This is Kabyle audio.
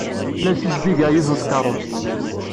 La ssizdigeɣ yiwet n tkeṛṛust.